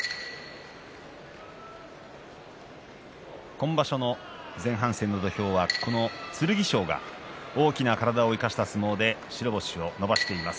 今場所の前半戦の土俵はこの剣翔が大きな体を生かした相撲で白星を伸ばしています。